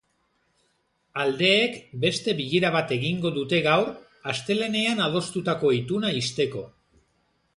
Aldeek beste bilera bat egingo dute gaur, astelehenean adostutako ituna ixteko.